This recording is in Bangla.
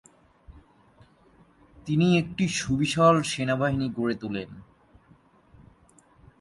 তিনি একটি সুবিশাল সেনাবাহিনী গড়ে তোলেন।